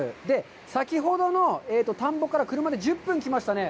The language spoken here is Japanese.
先ほどの田んぼから車で１０分来ましたね。